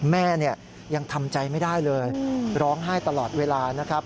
แม่ยังทำใจไม่ได้เลยร้องไห้ตลอดเวลานะครับ